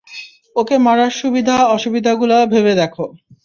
ওকে মারার সুবিধা অসুবিধাগুলো ভেবে দেখ।